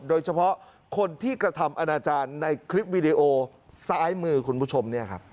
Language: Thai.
โดยเฉพาะคนที่กระทำอนาจารย์ในคลิปวิดีโอซ้ายมือคุณผู้ชมเนี่ยครับ